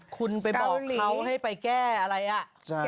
คุณไปบอกเขาให้ไปแก้อะไรอ่ะ